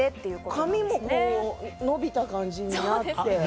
髪も伸びた感じになって。